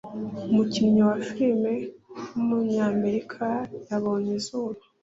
umukinnyi wa film w’umunyamerika yabonye izuba